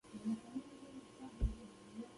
د زکام د مخنیوي لپاره کوم ویټامین وکاروم؟